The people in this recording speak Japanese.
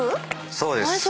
そうです。